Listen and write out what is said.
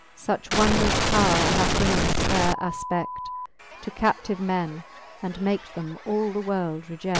Such wondrous powre hath wemens faire afpe£l To captive men, and make them all the world rejecS